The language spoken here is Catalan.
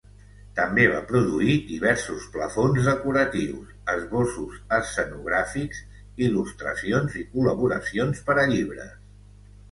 També va produir diversos plafons decoratius, esbossos escenogràfics, il·lustracions i col·laboracions per a llibres.